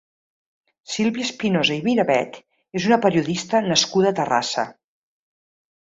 Sílvia Espinosa i Mirabet és una periodista nascuda a Terrassa.